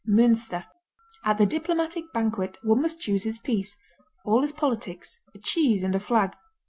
Münster At the diplomatic banquet One must choose his piece. All is politics, A cheese and a flag.